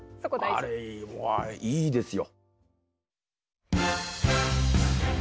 あれいいですよ。